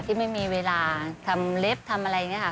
ที่ไม่มีเวลาทำเล็บทำอะไรอย่างนี้ค่ะ